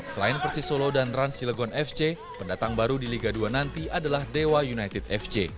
selain persis solo dan rans cilegon fc pendatang baru di liga dua nanti adalah dewa united fc